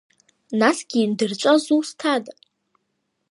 Насгьы индырҵәаз зусҭада!